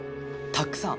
たっくさん。